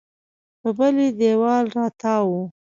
په بلې دېوال راتاو و.